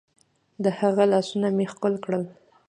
د هغه لاسونه مې ښكل كړل.